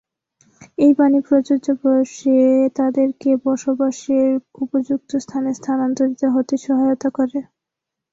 এই পানি প্রযোজ্য বয়সে তাদেরকে বসবাসের উপযুক্ত স্থানে স্থানান্তরিত হতে সহায়তা করে।